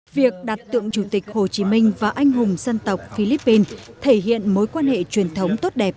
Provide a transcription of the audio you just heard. việc đặt tượng chủ tịch hồ chí minh và anh hùng dân tộc philippines thể hiện mối quan hệ truyền thống tốt đẹp